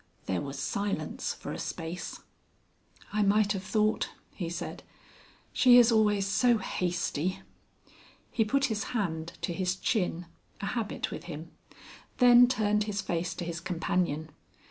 There was silence for a space. "I might have thought," he said. "She is always so hasty." He put his hand to his chin a habit with him. Then turned his face to his companion.